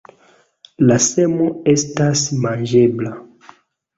La semo estas manĝebla.